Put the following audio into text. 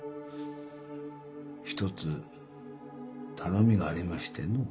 一つ頼みがありましてのう。